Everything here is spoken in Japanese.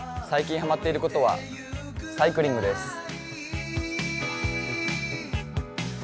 最近ハマっていることは、サイクリングです。